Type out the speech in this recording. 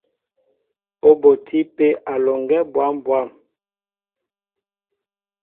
Ó botí pē alɔŋgɛ́ bwâm bwâm.